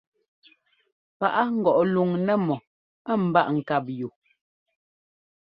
Paʼá ŋgɔʼ luŋ nɛ́mɔ ɛ́ ḿbaa ŋkáp yu.